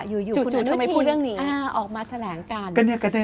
อยู่คุณอนุทินออกมาแสดงการ